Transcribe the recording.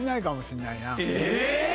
え⁉